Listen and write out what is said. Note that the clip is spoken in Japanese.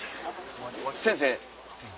先生？